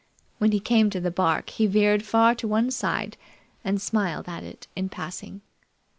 When he came to the bark, he veered far to one side and smiled at it in passing.